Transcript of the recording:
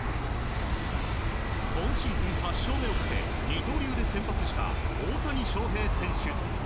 今シーズン、８勝目をかけ二刀流で先発した大谷翔平選手。